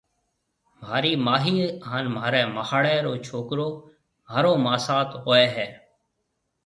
مهارِي ماهِي هانَ مهاريَ ماهڙيَ رو ڇوڪرو مهارو ماسات هوئيَ هيَ